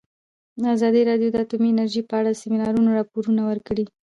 ازادي راډیو د اټومي انرژي په اړه د سیمینارونو راپورونه ورکړي.